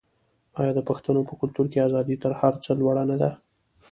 آیا د پښتنو په کلتور کې ازادي تر هر څه لوړه نه ده؟